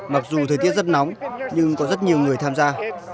mặc dù thời tiết rất nóng nhưng có rất nhiều người tham gia